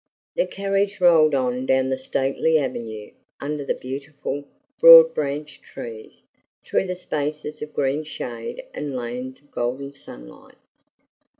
The carriage rolled on down the stately avenue under the beautiful, broad branched trees, through the spaces of green shade and lanes of golden sunlight.